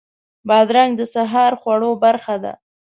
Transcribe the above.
بادرنګ د سهار خوړو برخه ده.